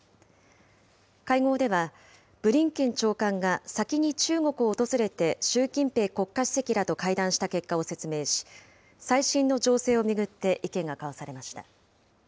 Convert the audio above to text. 会合では、ブリンケン長官が先に中国を訪れて、習近平国家主席らと会談した結果を説明し、最新の情勢を巡って意見が交わされました。